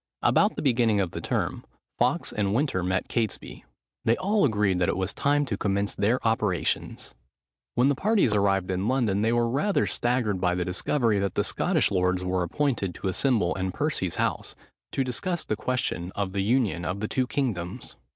About the beginning of the term, Fawkes and Winter met Catesby. They all agreed that it was time to commence their operations. When the parties arrived in London, they were rather staggered by the discovery, that the Scottish lords were appointed to assemble in Percy's house, to discuss the question of the union of the two kingdoms.